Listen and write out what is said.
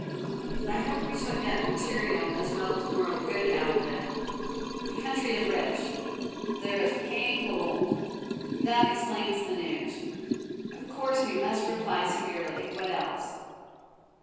"I hope we shall get material as well as moral good out of it. The country is rich; there is paying gold; that explains the note. Of course we must reply severely. What else?"